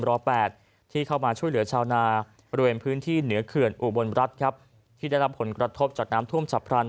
บริเวณพื้นที่เหนือเขื่อนอุบรรณรัฐครับที่ได้รับผลกระทบจากน้ำท่วมฉับพรรณ